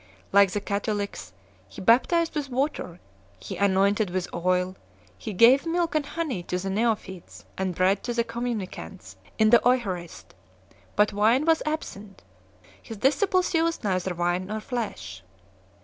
Like the Catholics, he baptized with water, he anointed with oil, he gave milk and honey to the neophytes, and bread to the communicants in the Eucharist 3 ; but wine was absent; His disciples used neither wine nor flesh.